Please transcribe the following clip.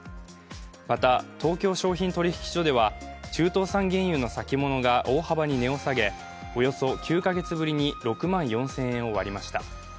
また、東京商品取引所では中東産原油の先物が大幅に値を下げおよそ９か月ぶりに６万４０００円を割りました。